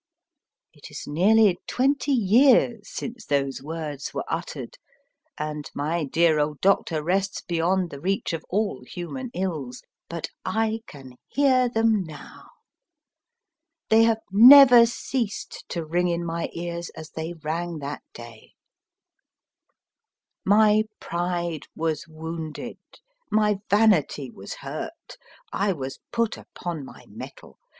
It is nearly twenty years since those words were uttered, and my dear old doctor rests beyond the reach of all human ills, but I can hear them now. They have never ceased to ring in my ears as they rang that day. FAUST UP TO DATE My pride was wounded, my vanity was hurt, I was put upon my mettle.